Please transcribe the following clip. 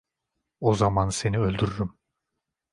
O zaman seni öldürürüm…